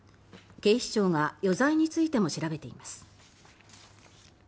警視庁が余罪についても調べています。